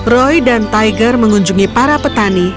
roy dan tiger mengunjungi para petani